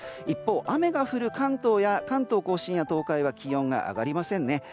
一方、雨が降る関東・甲信や東海は気温が上がりませんね。